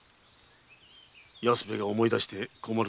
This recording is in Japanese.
安兵衛が思い出して困ること。